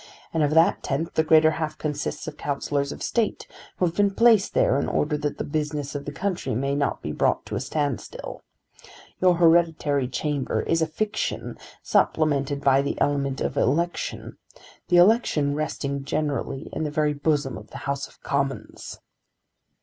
And of that tenth the greater half consists of counsellors of state who have been placed there in order that the business of the country may not be brought to a standstill. Your hereditary chamber is a fiction supplemented by the element of election, the election resting generally in the very bosom of the House of Commons."